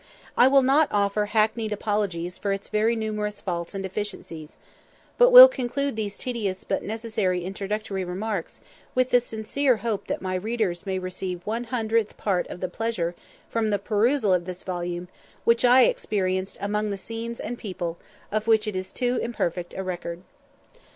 I will not offer hackneyed apologies for its very numerous faults and deficiencies; but will conclude these tedious but necessary introductory remarks with the sincere hope that my readers may receive one hundredth part of the pleasure from the perusal of this volume which I experienced among the scenes and people of which it is too imperfect a record.